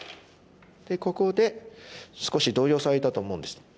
でここで少し動揺されたと思うんです。